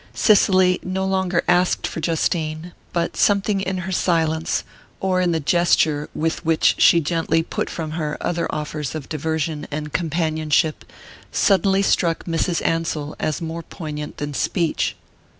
Cicely no longer asked for Justine; but something in her silence, or in the gesture with which she gently put from her other offers of diversion and companionship, suddenly struck Mrs. Ansell as more poignant than speech.